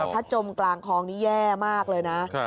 ถ้าจมกลางคลองนี้แย่มากเลยนะ